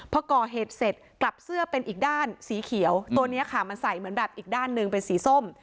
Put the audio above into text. พอก่อเหตุเสร็จกลับเสื้อเป็นอีกด้านสีเขียวตัวนี้ค่ะมันใส่เหมือนแบบอีกด้านหนึ่งเป็นสีส้ม